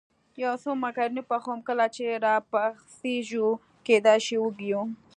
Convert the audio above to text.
یو څه مکروني پخوم، کله چې را پاڅېږو کېدای شي وږي یو.